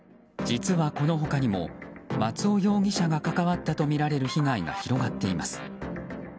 実はこの他にも松尾容疑者が関わったとみられる被害が広がっています。